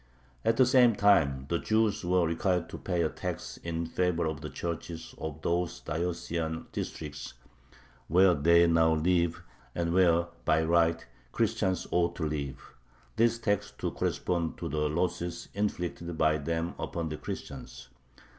At the same time the Jews were required to pay a tax in favor of the churches of those diocesan districts "where they now live, and where by right Christians ought to live," this tax to correspond to "the losses inflicted by them upon the Christians."